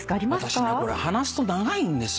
私ねこれ話すと長いんですよ。